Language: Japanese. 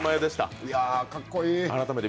かっこいい。